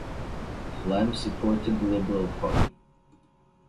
Flem supported the Liberal Party.